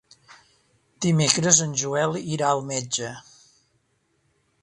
Dimecres en Joel irà al metge.